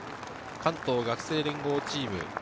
・関東学生連合チーム。